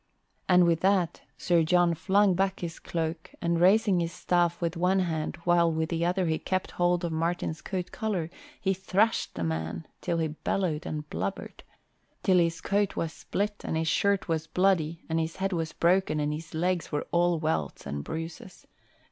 And with that, Sir John flung back his cloak and raising his staff with one hand while with the other he kept hold of Martin's coat collar, he thrashed the man till he bellowed and blubbered till his coat was split and his shirt was bloody and his head was broken and his legs were all welts and bruises.